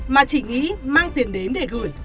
mà chỉ nghĩ mang tiền đến để gửi